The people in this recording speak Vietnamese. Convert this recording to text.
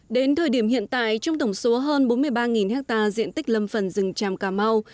đến thời điểm hiện tại trong tổng số hơn bốn mươi ba ha diện tích lâm phần rừng tràm cà mau